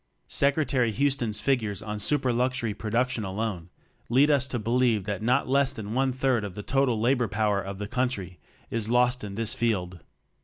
Secretary Houston's figures on super luxury production alone lead us to believe that not less than one third of the total labor power of the country is lost in this field.